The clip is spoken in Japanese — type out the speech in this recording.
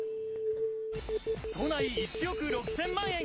都内１億６０００万円。